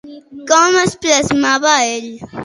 Com es plasmava ell?